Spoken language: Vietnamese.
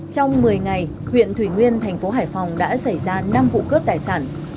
trong một mươi ngày huyện thủy nguyên thành phố hải phòng đã xảy ra năm vụ cướp tài sản